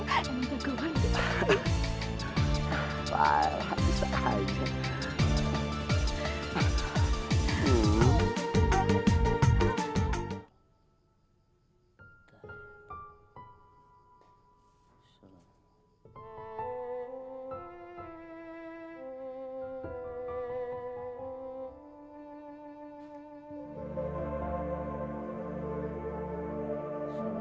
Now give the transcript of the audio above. abang aku mau jago aja